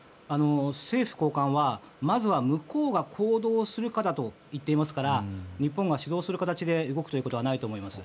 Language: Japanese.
政府高官はまずは向こうが行動するかだと言っていますから日本が主導する形で動くことはないと思います。